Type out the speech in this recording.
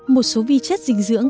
một số vi chất dinh dưỡng